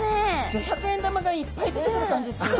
五百円玉がいっぱい出てくる感じですよね。